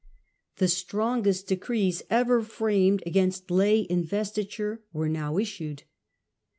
The strongest decrees ever framed against lay investiture were now issued.